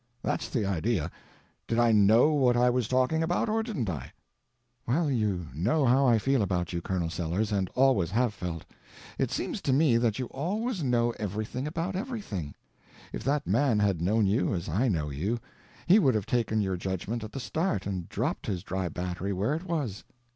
—that's the idea. Did I know what I was talking about, or didn't I?" "Well, you know how I feel about you, Colonel Sellers, and always have felt. It seems to me that you always know everything about _every_thing. If that man had known you as I know you he would have taken your judgment at the start, and dropped his dry battery where it was."